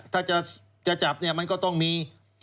ถ้าจะจับมันก็ต้องมี